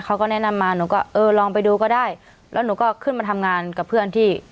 เขาก็แนะนำมาหนูก็เออลองไปดูก็ได้แล้วหนูก็ขึ้นมาทำงานกับเพื่อนที่